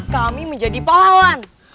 kami menjadi polawan